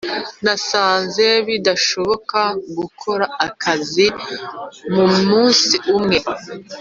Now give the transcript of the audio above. nasanze bidashoboka gukora akazi mumunsi umwe